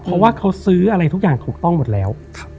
เพราะว่าเขาซื้ออะไรทุกอย่างถูกต้องหมดแล้ว